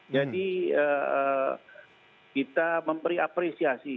jadi kita memberi apresiasi